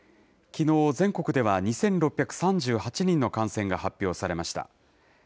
きのう全国では２６３８人の感染が発表されました。